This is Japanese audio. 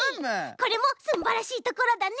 これもすんばらしいところだね。